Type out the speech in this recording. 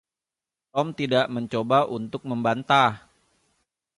Tom tidak mencoba untuk membantah.